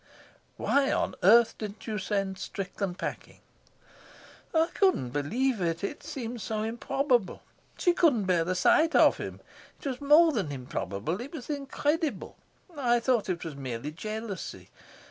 "Why on earth didn't you send Strickland packing?" "I couldn't believe it. It seemed so improbable. She couldn't bear the sight of him. It was more than improbable; it was incredible. I thought it was merely jealousy.